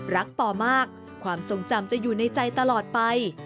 ปอมากความทรงจำจะอยู่ในใจตลอดไป